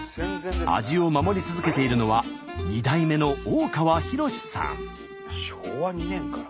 味を守り続けているのは昭和２年から！